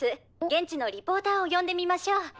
現地のリポーターを呼んでみましょう」。